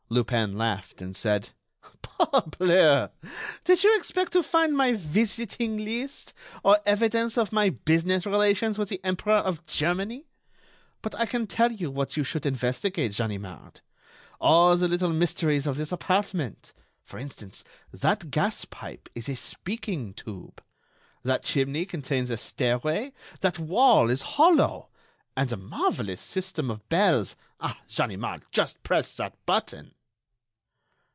Lupin laughed and said: "Parbleu! Did you expect to find my visiting list, or evidence of my business relations with the Emperor of Germany? But I can tell you what you should investigate, Ganimard: All the little mysteries of this apartment. For instance, that gas pipe is a speaking tube. That chimney contains a stairway. That wall is hollow. And the marvellous system of bells! Ah! Ganimard, just press that button!"